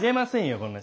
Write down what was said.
こんな人。